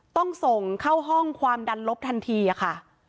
ต้องส่งเข้าห้องความดันลบทันทีค่ะ